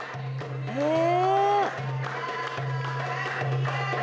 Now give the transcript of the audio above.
へえ。